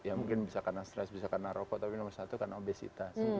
ya mungkin bisa karena stres bisa karena rokok tapi nomor satu karena obesitas